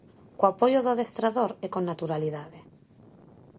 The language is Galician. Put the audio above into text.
Co apoio do adestrador e con naturalidade.